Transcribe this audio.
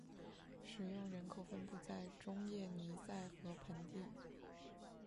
使用人口分布在中叶尼塞河盆地。